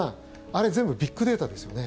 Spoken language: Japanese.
あれ、全部ビッグデータですよね。